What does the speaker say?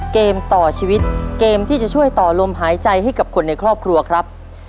เกมต่อชีวิตเกมที่จะช่วยต่อลมหายใจให้กับคนในครอบครัวครับ